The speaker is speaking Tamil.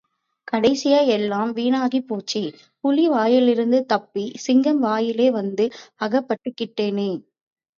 கடைசியா, எல்லாம் வீணாகிப் போச்சே, புலி வாயிலிருந்து தப்பி சிங்கம் வாயிலே வந்து அகப்பட்டுக்கிட்டேனே?